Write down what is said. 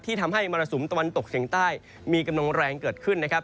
ทำให้มรสุมตะวันตกเฉียงใต้มีกำลังแรงเกิดขึ้นนะครับ